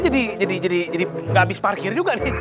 jadi jadi jadi jadi gabis parkiri juga nih